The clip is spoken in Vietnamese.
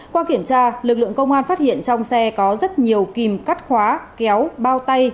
qua kiểm tra lực lượng công an phát hiện trong xe có rất nhiều kìm cắt khóa kéo bao tay